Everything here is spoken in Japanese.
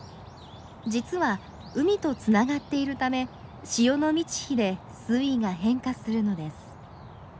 実は海とつながっているため潮の満ち干で水位が変化するのです。